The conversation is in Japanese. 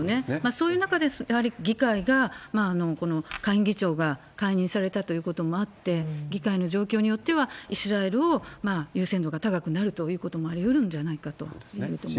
そういう中で、やはり議会が、この下院議長が解任されたということもあって、議会の状況によっては、イスラエルを、優先度が高くなるということもありうるんではないかと思います。